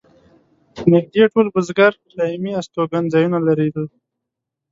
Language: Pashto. نږدې ټول بزګر دایمي استوګن ځایونه لرل.